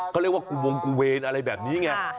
เขาเรียกว่ากูวงกูเวรอะไรแบบนี้ไง